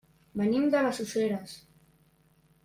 Venim de les Useres.